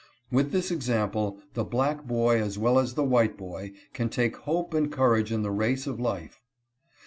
"With this example, the black boy as well as the white boy can take hope and courage in the race of life.